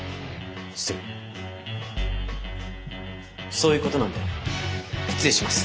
そういうことなんで失礼します！